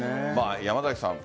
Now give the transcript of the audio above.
山崎さん